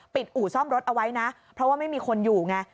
อู่ซ่อมรถเอาไว้นะเพราะว่าไม่มีคนอยู่ไง